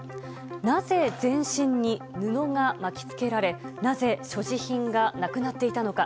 なぜ、全身に布が巻き付けられなぜ所持品がなくなっていたのか。